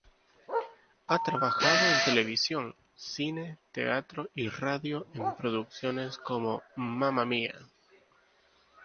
Ha trabajado en televisión, cine, teatro y radio en producciones como "Mamma Mia!